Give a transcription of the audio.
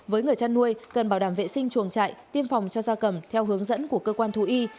với người chăn nuôi cần bảo đảm vệ sinh chuồng trại tiêm phòng cho gia cầm theo hướng dẫn của cơ quan thú y